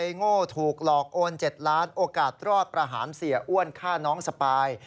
โง่ถูกหลอกโอน๗ล้านโอกาสรอดประหารเสียอ้วนฆ่าน้องสปาย